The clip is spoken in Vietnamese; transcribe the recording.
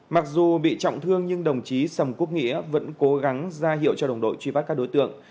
mặc dù bị trọng thương nhưng đồng chí sầm quốc nghĩa vẫn cố gắng ra hiệu cho đồng đội truy bắt các đối tượng